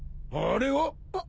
あれは？